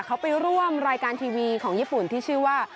เขาไปร่วมรายการทีวีของญี่ปุ่นที่ชื่อว่า